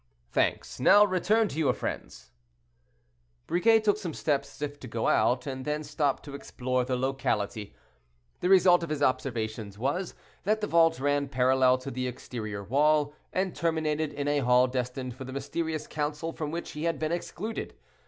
"Thanks; now return to your friends." Briquet took some steps as if to go out, and then stopped to explore the locality. The result of his observations was, that the vault ran parallel to the exterior wall, and terminated in a hall destined for the mysterious council from which he had been excluded.